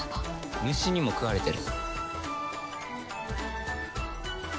虫にも食われてる。